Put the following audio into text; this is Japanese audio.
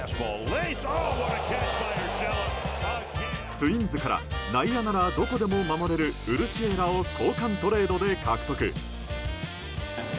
ツインズから、内野ならどこでも守れるウルシェラを交換トレードで獲得。